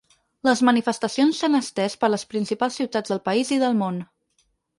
Les manifestacions s’han estès per les principals ciutats del país i del món.